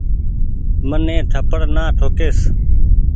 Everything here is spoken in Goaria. مني ٿپڙ نآ ٺوڪيس ۔